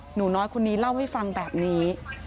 หนูน้อยคนนี้เล่าให้ฟังแบบนี้